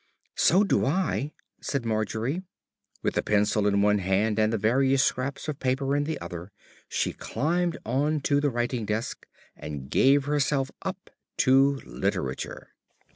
"So do I," said Margery. With the pencil in one hand and the various scraps of paper in the other, she climbed on to the writing desk and gave herself up to literature....